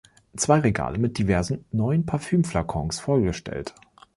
Zwei Regale sind mit diversen neuen Parfümflakons vollgestellt.